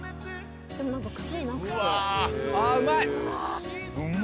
でも何かクセなくてうわああうまい！